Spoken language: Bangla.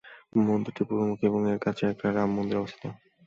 মন্দিরটি পূর্ব মুখী এবং এর কাছেই একটি রাম মন্দির অবস্থিত।